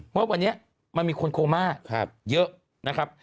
เพราะวันนี้มันมีคนโคม่าเยอะ